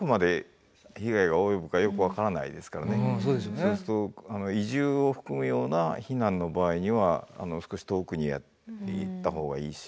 そうすると移住を含むような避難の場合には少し遠くに行った方がいいし。